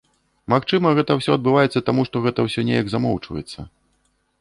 Магчыма, гэта ўсё адбываецца таму, што гэта ўсё неяк замоўчваецца.